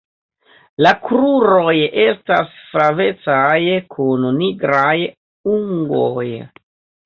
La kruroj estas flavecaj kun nigraj ungoj.